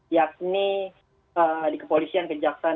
yakni di kepolisian kejaksaan